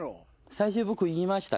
最初僕言いました。